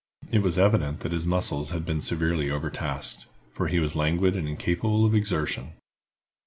It was evident that his muscles had been severely overtasked, for he was languid and incapable of exertion.